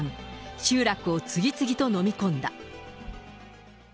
集落を次々と飲み込んだ。